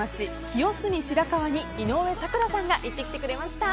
清澄白河に井上咲楽さんが行ってきてくれました。